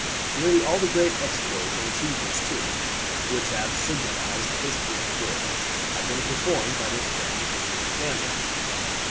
Nearly all the great exploits, and achievements too, which have signalized the history of the world, have been performed by this branch of the human family.